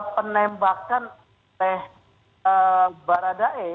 penembakan teh baradae